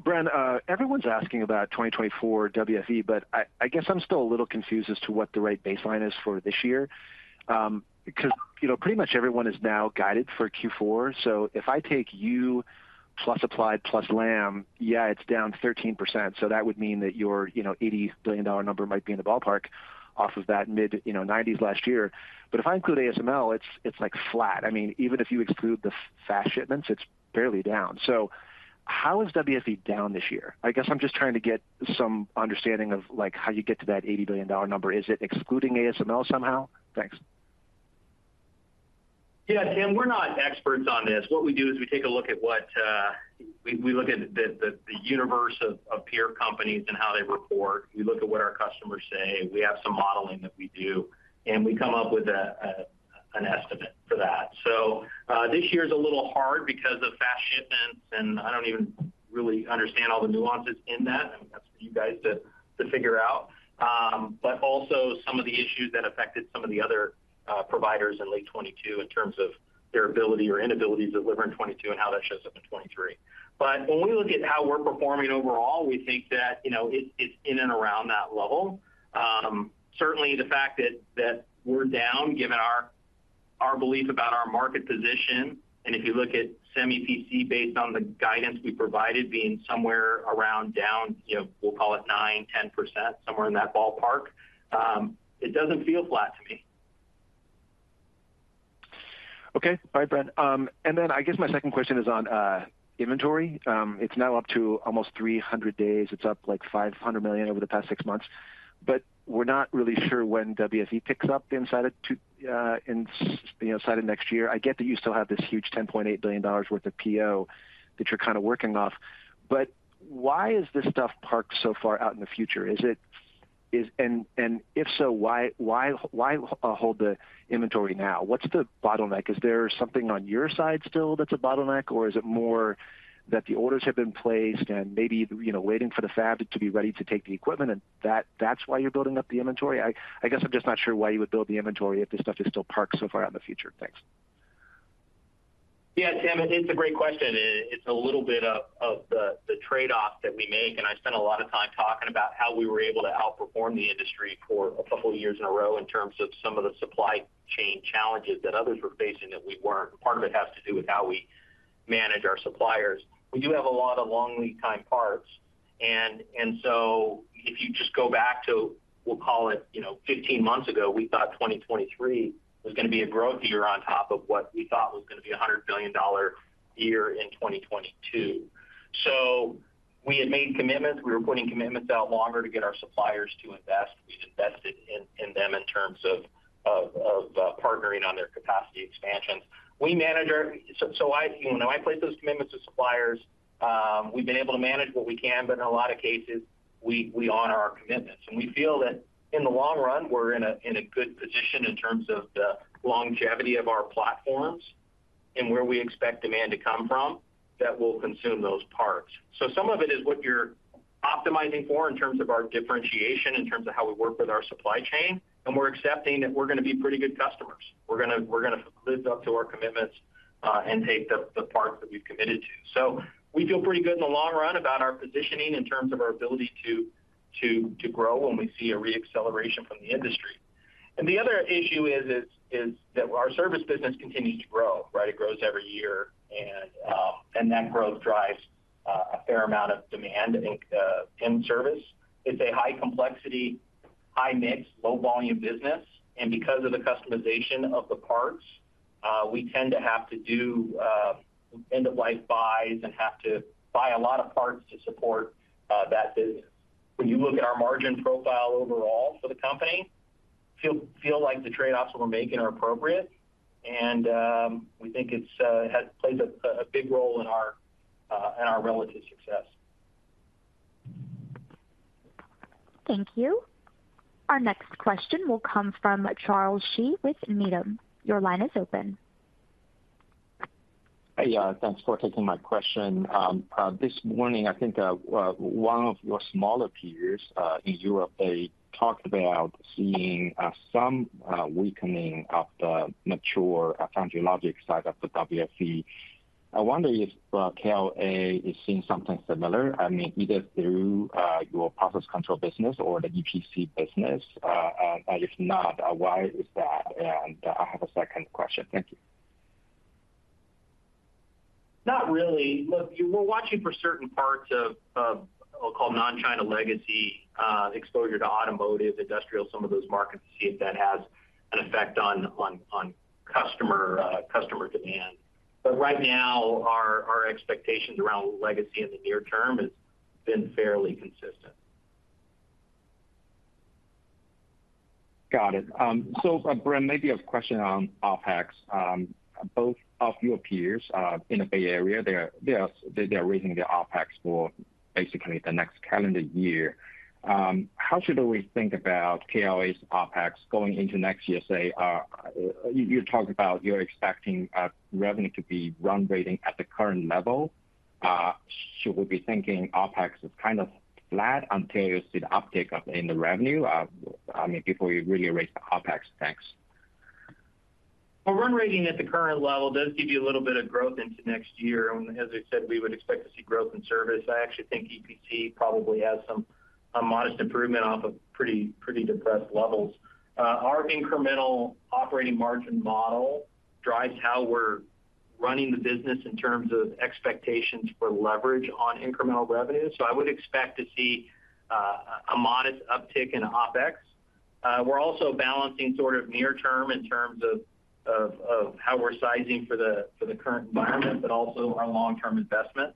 Bren, everyone's asking about 2024 WFE, but I guess I'm still a little confused as to what the right baseline is for this year. Because, you know, pretty much everyone is now guided for Q4. So if I take you, plus Applied, plus Lam, yeah, it's down 13%, so that would mean that your, you know, $80 billion number might be in the ballpark off of that mid-nineties last year. But if I include ASML, it's like flat. I mean, even if you exclude the flash shipments, it's barely down. So how is WFE down this year? I guess I'm just trying to get some understanding of, like, how you get to that $80 billion number. Is it excluding ASML somehow? Thanks. Yeah, Tim, we're not experts on this. What we do is we take a look at what. We look at the universe of peer companies and how they report. We look at what our customers say, we have some modeling that we do, and we come up with an estimate for that. So, this year is a little hard because of Flash shipments, and I don't even really understand all the nuances in that. I mean, that's for you guys to figure out. But also some of the issues that affected some of the other providers in late 2022 in terms of their ability or inability to deliver in 2022 and how that shows up in 2023. But when we look at how we're performing overall, we think that, you know, it's in and around that level. Certainly the fact that we're down, given our belief about our market position, and if you look at SPC, based on the guidance we provided, being somewhere around down, you know, we'll call it 9%-10%, somewhere in that ballpark, it doesn't feel flat to me. Okay. All right, Bren. And then I guess my second question is on inventory. It's now up to almost 300 days. It's up, like, $500 million over the past six months, but we're not really sure when WFE picks up inside of two, in, you know, side of next year. I get that you still have this huge $10.8 billion worth of PO that you're kind of working off, but why is this stuff parked so far out in the future? Is it-- Is, and, and if so, why, why, why, hold the inventory now? What's the bottleneck? Is there something on your side still that's a bottleneck, or is it more that the orders have been placed and maybe, you know, waiting for the fab to be ready to take the equipment and that's why you're building up the inventory? I guess I'm just not sure why you would build the inventory if this stuff is still parked so far out in the future. Thanks. Yeah, Tim, it's a great question, and it's a little bit of the trade-off that we make. And I spent a lot of time talking about how we were able to outperform the industry for a couple of years in a row in terms of some of the supply chain challenges that others were facing, that we weren't. Part of it has to do with how we manage our suppliers. We do have a lot of long lead time parts, and so if you just go back to, we'll call it, you know, 15 months ago, we thought 2023 was gonna be a growth year on top of what we thought was gonna be a $100 billion year in 2022. So we had made commitments. We were putting commitments out longer to get our suppliers to invest. We've invested in them in terms of partnering on their capacity expansions. So I, you know, I place those commitments to suppliers. We've been able to manage what we can, but in a lot of cases, we honor our commitments. And we feel that in the long run, we're in a good position in terms of the longevity of our platforms and where we expect demand to come from, that will consume those parts. So some of it is what you're optimizing for in terms of our differentiation, in terms of how we work with our supply chain, and we're accepting that we're gonna be pretty good customers. We're gonna live up to our commitments, and take the parts that we've committed to. So we feel pretty good in the long run about our positioning in terms of our ability to grow when we see a reacceleration from the industry. The other issue is that our service business continues to grow, right? It grows every year, and that growth drives a fair amount of demand in service. It's a high complexity, high mix, low volume business, and because of the customization of the parts, we tend to have to do end-of-life buys and have to buy a lot of parts to support that business. When you look at our margin profile overall for the company, feel like the trade-offs that we're making are appropriate, and we think it has played a big role in our relative success. Thank you. Our next question will come from Charles Shi with Needham. Your line is open. Hey, thanks for taking my question. This morning, I think, well, one of your smaller peers in Europe, they talked about seeing some weakening of the mature Foundry Logic side of the WFE. I wonder if KLA is seeing something similar, I mean, either through your process control business or the SPC business. And if not, why is that? And I have a second question. Thank you. Not really. Look, we're watching for certain parts of, I'll call them non-China legacy, exposure to automotive, industrial, some of those markets, to see if that has an effect on customer demand. But right now, our expectations around legacy in the near term has been fairly consistent. Got it. So, Bren, maybe a question on OpEx. Both of your peers in the Bay Area, they are raising their OpEx for basically the next calendar year. How should we think about KLA's OpEx going into next year? Say, you talked about you're expecting revenue to be run rating at the current level. Should we be thinking OpEx is kind of flat until you see the uptick of in the revenue, I mean, before you really raise the OpEx? Thanks. Well, run rating at the current level does give you a little bit of growth into next year, and as I said, we would expect to see growth in service. I actually think SPC probably has some a modest improvement off of pretty, pretty depressed levels. Our incremental operating margin model drives how we're running the business in terms of expectations for leverage on incremental revenue. So I would expect to see a modest uptick in OpEx. We're also balancing sort of near term in terms of of how we're sizing for the current environment, but also our long-term investment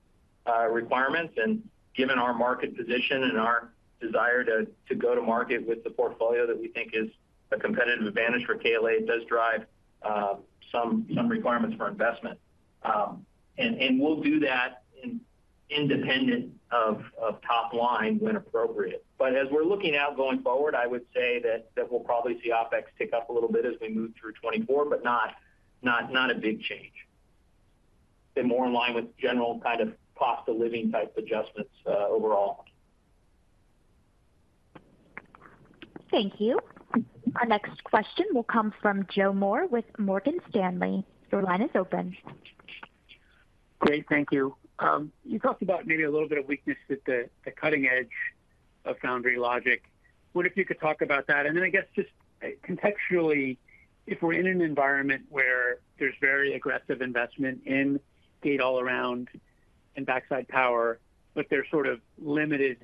requirements. And given our market position and our desire to go to market with the portfolio that we think is a competitive advantage for KLA, it does drive some requirements for investment. And we'll do that independent of top line when appropriate. But as we're looking out going forward, I would say that we'll probably see OpEx tick up a little bit as we move through 2024, but not a big change, more in line with general kind of cost of living type adjustments, overall. Thank you. Our next question will come from Joe Moore with Morgan Stanley. Your line is open. Great. Thank you. You talked about maybe a little bit of weakness at the cutting edge of foundry logic. What if you could talk about that? And then I guess just contextually, if we're in an environment where there's very aggressive investment in Gate-All-Around and backside power, but there's sort of limited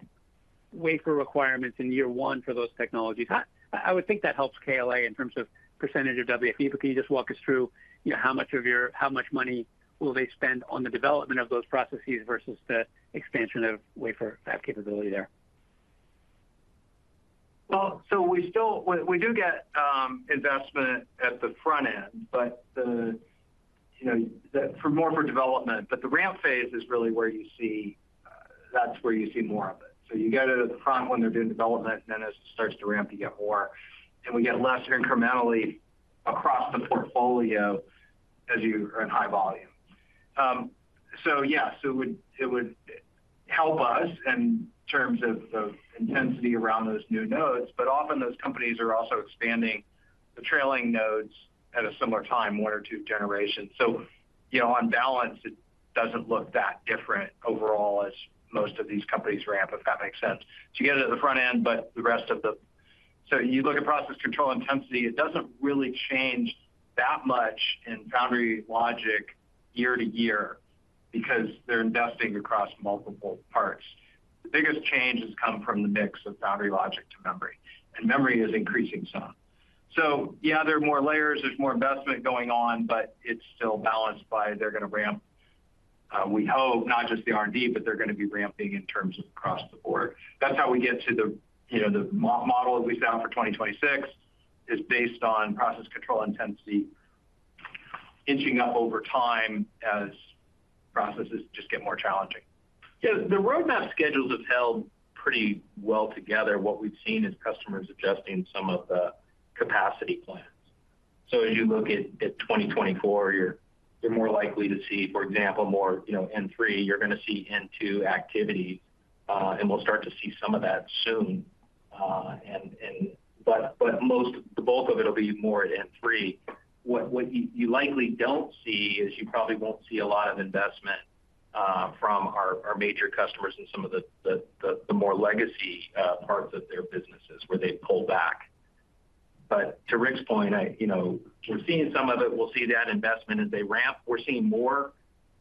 wafer requirements in year one for those technologies. I would think that helps KLA in terms of percentage of WFE, but can you just walk us through, you know, how much of your—how much money will they spend on the development of those processes versus the expansion of wafer fab capability there? Well, so we still do get investment at the front end, but the, you know, for more for development, but the ramp phase is really where you see that's where you see more of it. So you get it at the front when they're doing development, and then as it starts to ramp, you get more. And we get less incrementally across the portfolio as you are in high volume. So yes, it would help us in terms of intensity around those new nodes, but often those companies are also expanding the trailing nodes at a similar time, one or two generations. So, you know, on balance, it doesn't look that different overall as most of these companies ramp, if that makes sense. So you get it at the front end, but the rest of the. So you look at process control intensity, it doesn't really change that much in foundry logic year to year, because they're investing across multiple parts. The biggest change has come from the mix of foundry logic to memory, and memory is increasing some. So yeah, there are more layers, there's more investment going on, but it's still balanced by they're going to ramp, we hope not just the R&D, but they're going to be ramping in terms of across the board. That's how we get to the, you know, the model that we found for 2026, is based on process control intensity inching up over time as processes just get more challenging. Yeah, the roadmap schedules have held pretty well together. What we've seen is customers adjusting some of the capacity plans. So as you look at 2024, you're more likely to see, for example, more, you know, N3, you're going to see N2 activity, and we'll start to see some of that soon. But the bulk of it will be more at N3. What you likely don't see is you probably won't see a lot of investment from our major customers in some of the more legacy parts of their businesses where they pull back. But to Rick's point, you know, we're seeing some of it. We'll see that investment as they ramp. We're seeing more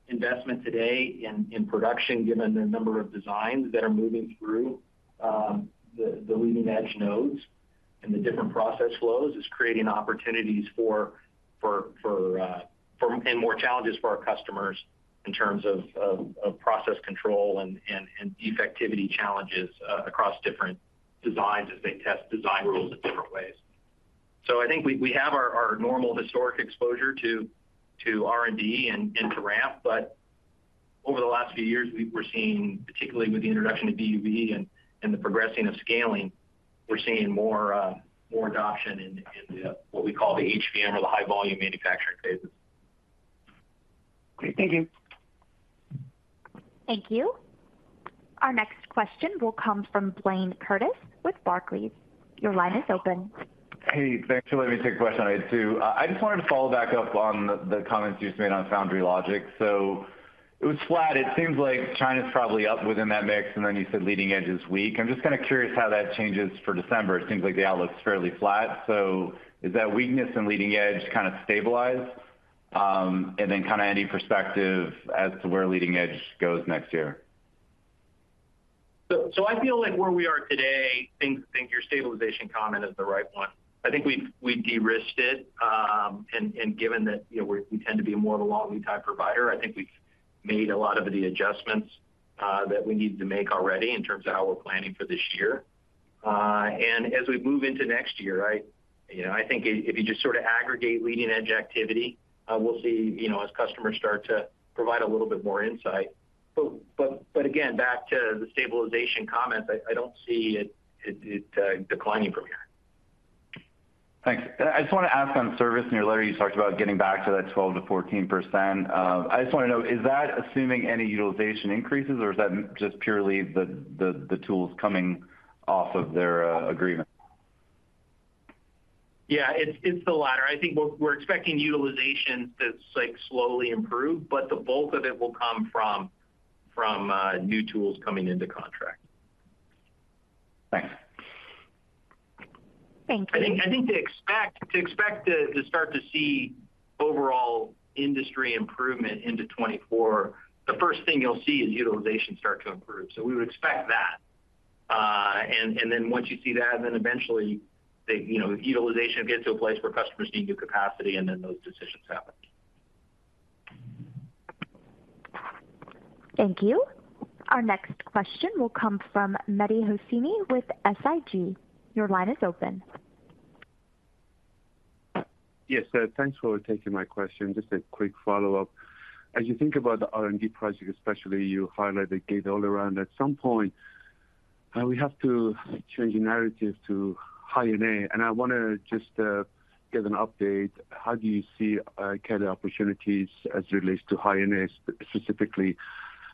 investment today in production, given the number of designs that are moving through the leading-edge nodes and the different process flows, is creating opportunities for and more challenges for our customers in terms of process control and defectivity challenges across different designs as they test design rules in different ways. So I think we have our normal historic exposure to R&D and to ramp, but over the last few years, we've we're seeing, particularly with the introduction of DUV and the progressing of scaling, we're seeing more adoption in what we call the HVM, or the high volume manufacturing phases. Great. Thank you. Thank you. Our next question will come from Blayne Curtis with Barclays. Your line is open. Hey, thanks for letting me take a question. I just wanted to follow back up on the comments you just made on foundry logic. So with flat, it seems like China's probably up within that mix, and then you said leading edge is weak. I'm just kind of curious how that changes for December. It seems like the outlook's fairly flat, so is that weakness in leading edge kind of stabilized? And then kind of any perspective as to where leading edge goes next year? I feel like where we are today, I think your stabilization comment is the right one. I think we've de-risked it, and given that, you know, we tend to be more of a long lead time provider, I think we've made a lot of the adjustments that we needed to make already in terms of how we're planning for this year. And as we move into next year, you know, I think if you just sort of aggregate leading-edge activity, we'll see, you know, as customers start to provide a little bit more insight. But again, back to the stabilization comments, I don't see it declining from here. Thanks. I just want to ask on service, in your letter, you talked about getting back to that 12%-14%. I just want to know, is that assuming any utilization increases, or is that just purely the tools coming off of their agreement? Yeah, it's the latter. I think we're expecting utilization to, like, slowly improve, but the bulk of it will come from new tools coming into contract. Thanks. Thank you. I think to expect to start to see overall industry improvement into 2024, the first thing you'll see is utilization start to improve. So we would expect that. And then once you see that, then eventually the, you know, utilization will get to a place where customers need new capacity, and then those decisions happen. Thank you. Our next question will come from Mehdi Hosseini with SIG. Your line is open. Yes, sir. Thanks for taking my question. Just a quick follow-up. As you think about the R&D project, especially you highlight the Gate-All-Around, at some point, we have to change the narrative to High-NA, and I want to just, get an update. How do you see, kind of opportunities as it relates to High-NA, specifically,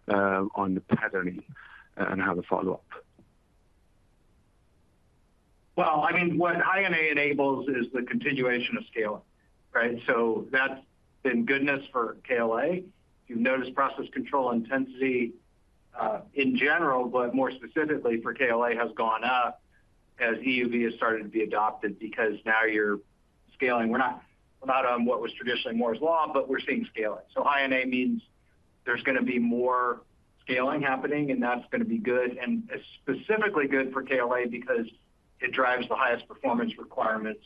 on the patterning and how to follow up? Well, I mean, what High-NA enables is the continuation of scaling, right? So that's been goodness for KLA. You've noticed process control intensity in general, but more specifically for KLA, has gone up as EUV has started to be adopted because now you're scaling. We're not, we're not on what was traditionally Moore's Law, but we're seeing scaling. So High-NA means there's going to be more scaling happening, and that's going to be good, and it's specifically good for KLA because it drives the highest performance requirements,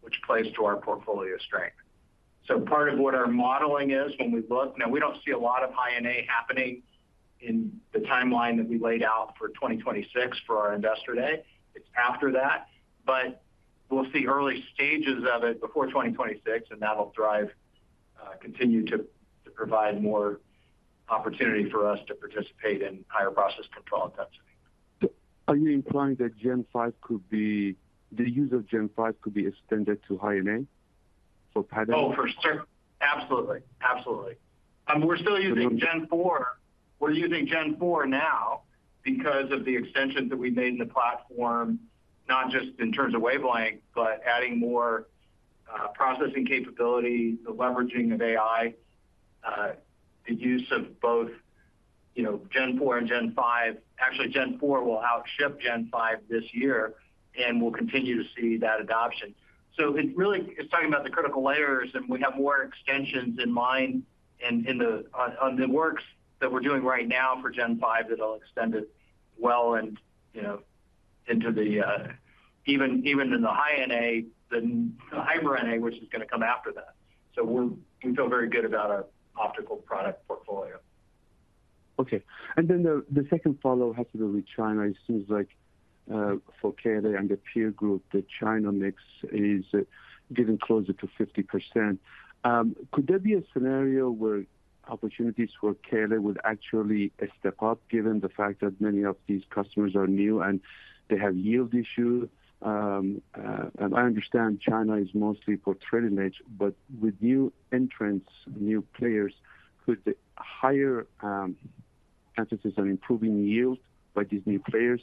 which plays to our portfolio strength. So part of what our modeling is when we look. Now, we don't see a lot of High-NA happening in the timeline that we laid out for 2026 for our Investor Day. It's after that, but we'll see early stages of it before 2026, and that'll drive continue to provide more opportunity for us to participate in higher process control intensity. ... Are you implying that Gen 5 could be, the use of Gen 5 could be extended to High-NA for pattern? Oh, for sure. Absolutely. Absolutely. We're still using Gen 4. We're using Gen 4 now because of the extensions that we made in the platform, not just in terms of wavelength, but adding more processing capability, the leveraging of AI, the use of both, you know, Gen 4 and Gen 5. Actually, Gen 4 will outship Gen 5 this year, and we'll continue to see that adoption. So it really, it's talking about the critical layers, and we have more extensions in mind and in the, on, on the works that we're doing right now for Gen 5, that'll extend it well and, you know, into the, even, even in the high-NA, the Hyper-NA, which is gonna come after that. So we're, we feel very good about our optical product portfolio. Okay, and then the second follow has to do with China. It seems like for KLA and the peer group, the China mix is getting closer to 50%. Could there be a scenario where opportunities for KLA would actually step up, given the fact that many of these customers are new and they have yield issue? And I understand China is mostly for trailing edge, but with new entrants, new players, could the higher emphasis on improving yield by these new players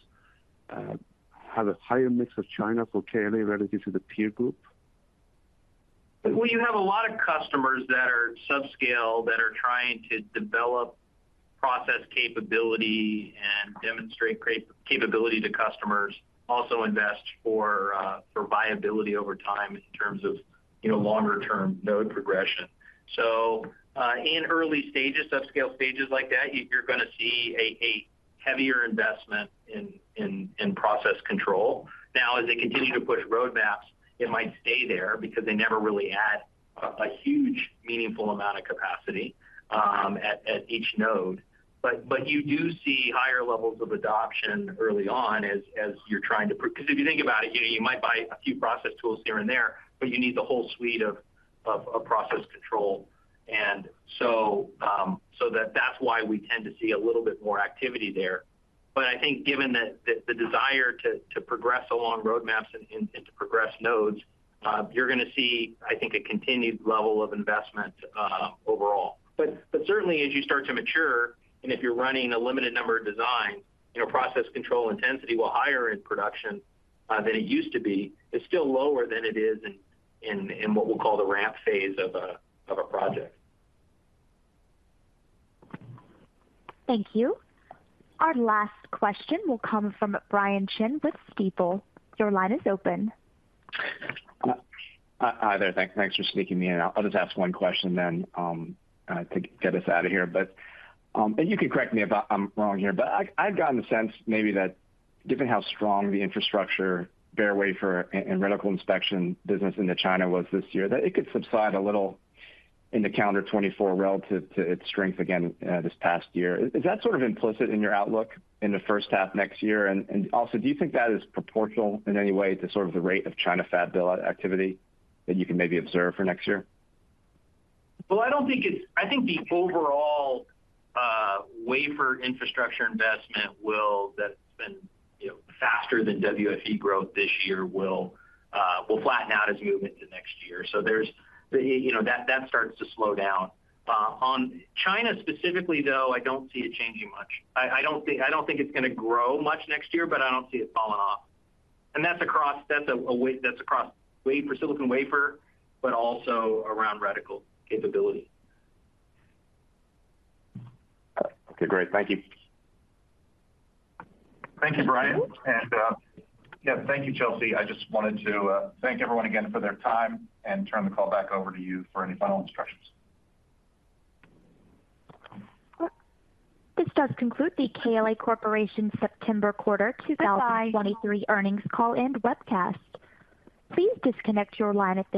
have a higher mix of China for KLA relative to the peer group? Well, you have a lot of customers that are subscale, that are trying to develop process capability and demonstrate capability to customers, also invest for viability over time in terms of, you know, longer term node progression. So, in early stages, subscale stages like that, you're gonna see a heavier investment in process control. Now, as they continue to push roadmaps, it might stay there because they never really had a huge, meaningful amount of capacity at each node. But you do see higher levels of adoption early on as you're trying to. Because if you think about it, you might buy a few process tools here and there, but you need the whole suite of process control. And so, so that's why we tend to see a little bit more activity there. But I think given that, the desire to progress along roadmaps and to progress nodes, you're gonna see, I think, a continued level of investment overall. But certainly as you start to mature, and if you're running a limited number of designs, you know, process control intensity, while higher in production than it used to be, is still lower than it is in what we'll call the ramp phase of a project. Thank you. Our last question will come from Brian Chin with Stifel. Your line is open. Hi there. Thanks for sneaking me in. I'll just ask one question then to get us out of here. But you can correct me if I'm wrong here, but I've gotten the sense maybe that given how strong the infrastructure bare wafer and reticle inspection business into China was this year, that it could subside a little into calendar 2024 relative to its strength again this past year. Is that sort of implicit in your outlook in the first half next year? And also, do you think that is proportional in any way to sort of the rate of China fab build activity that you can maybe observe for next year? Well, I don't think it's. I think the overall wafer infrastructure investment, that's been, you know, faster than WFE growth this year, will flatten out as we move into next year. So there's, you know, that starts to slow down. On China specifically, though, I don't see it changing much. I don't think it's gonna grow much next year, but I don't see it falling off. And that's across, that's across wafer, silicon wafer, but also around reticle capability. Okay, great. Thank you. Thank you, Brian. And, yeah, thank you, Chelsea. I just wanted to thank everyone again for their time and turn the call back over to you for any final instructions. This does conclude the KLA Corporation September quarter 2023 earnings call and webcast. Please disconnect your line at this time.